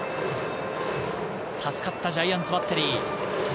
助かったジャイアンツバッテリー。